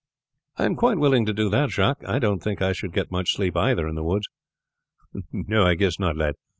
"I am quite willing to do that Jacques. I don't think I should get much sleep either in the woods." "No, I guess not, lad.